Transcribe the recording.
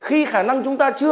khi khả năng chúng ta chưa